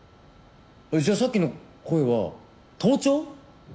じゃあさっきの声は盗聴！？